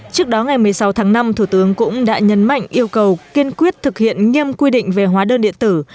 trước đó ngày một mươi sáu tháng năm thủ tướng cũng đã nhấn mạnh yêu cầu kiên quyết thực hiện nghiêm quy định về hóa đơn điện tử